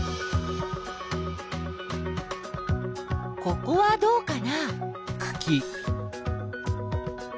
ここはどうかな？